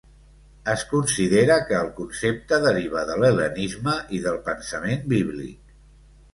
Es considera que el concepte deriva de l'hel·lenisme i del pensament bíblic.